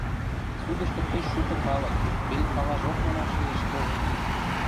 Судышкы пиш шукы халык, пел халажок манаш лиэш, погынен...